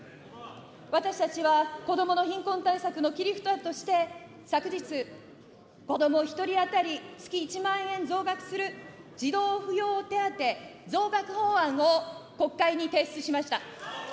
私たちは子どもの貧困対策の切り札として、昨日、子ども１人当たり月１万円増額する児童扶養手当増額法案を国会に提出しました。